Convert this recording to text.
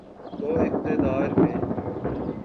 تو اقتدار میں۔